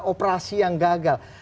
operasi yang gagal